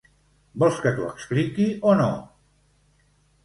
Vols que t'ho expliqui o no?